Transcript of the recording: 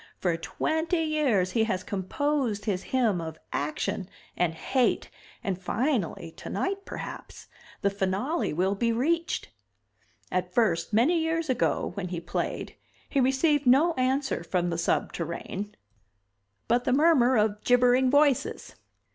For twenty years he has composed his hymn of action and hate and finally, tonight perhaps, the finale will be reached. At first, many years ago, when he played, he received no answer from the subterrane, but the murmur of gibbering voices.